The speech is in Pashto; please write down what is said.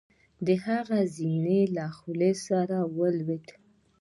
د هغه زرينه خولی له سره ولوېده.